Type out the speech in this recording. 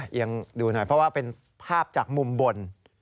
ยังดูหน่อยเพราะว่าเป็นภาพจากมุมบน